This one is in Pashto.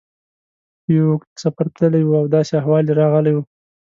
په یو اوږد سفر تللی و او داسې احوال یې راغلی و.